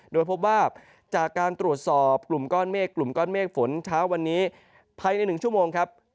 โดยพบว่าจากการตรวจสอบกลุ่มก้อนเมฆกลุ่มก้อนเมฆฝนเช้าวันนี้ภายใน๑ชั่วโมงครับ